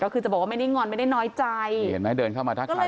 ก็คือจะบอกว่าไม่ได้งอนไม่ได้น้อยใจเห็นไหมเดินเข้ามาทักทาย